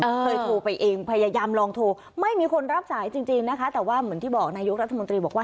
เคยโทรไปเองพยายามลองโทรไม่มีคนรับสายจริงจริงนะคะแต่ว่าเหมือนที่บอกนายกรัฐมนตรีบอกว่า